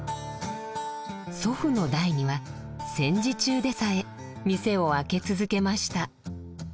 祖父の代には戦時中でさえ店を開け続けました。